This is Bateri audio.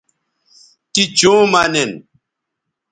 تی چوں مہ نن